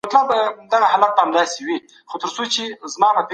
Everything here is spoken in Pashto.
زه هیڅکله د چا سره په کار کي حسد نه کوم.